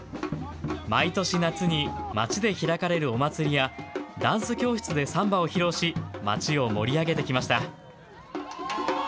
毎年夏に町で開かれるお祭りや、ダンス教室でサンバを披露し、町を盛り上げてきました。